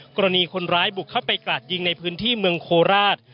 กรณีคนร้ายบุกเข้าไปกราดยิงในพื้นที่เมืองโคราช